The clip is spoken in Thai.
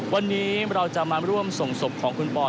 วันนี้เราจะมาร่วมส่งศพของคุณปอน